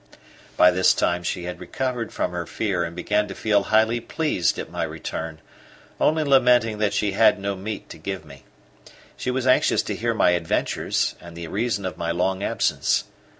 By this time she had recovered from her fear and began to feel highly pleased at my return, only lamenting that she had no meat to give me. She was anxious to hear my adventures, and the reason of my long absence.